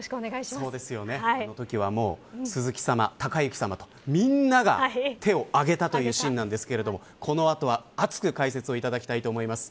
あのときは、鈴木さま隆之さまとみんなが手を上げたというシーンなんですけどこの後は熱く解説をいただきたいと思います。